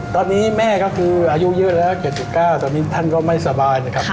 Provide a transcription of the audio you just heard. ตอนนี้แม่ก็คืออายุเยอะแล้ว๗๙ตอนนี้ท่านก็ไม่สบายนะครับ